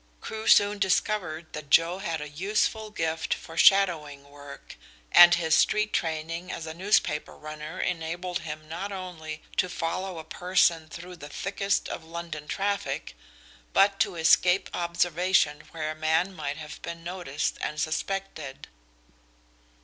Crewe soon discovered that Joe had a useful gift for "shadowing" work, and his street training as a newspaper runner enabled him not only to follow a person through the thickest of London traffic, but to escape observation where a man might have been noticed and suspected.